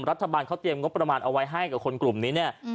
รัฐบาลเขาเตรียมงบประมาณเอาไว้ให้กับคนกลุ่มนี้เนี่ย